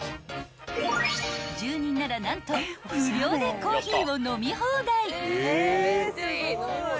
［住人なら何と無料でコーヒーを飲み放題］